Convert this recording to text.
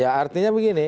ya artinya begini